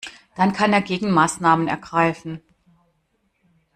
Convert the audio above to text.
Dann kann er Gegenmaßnahmen ergreifen.